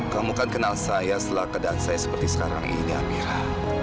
kamu kan kenal saya setelah keadaan saya seperti sekarang ini amira